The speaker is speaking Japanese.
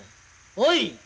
おい！